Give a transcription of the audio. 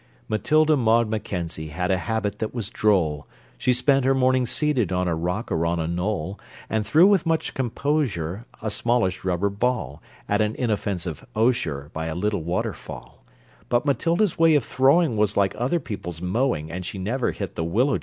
Matilda Maud Mackenzie had a habit that was droll, She spent her morning seated on a rock or on a knoll, And threw with much composure A smallish rubber ball At an inoffensive osier By a little waterfall; But Matilda's way of throwing Was like other people's mowing, And she never hit the willow tree at all!